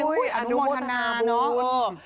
อนุโมทนาเนอะ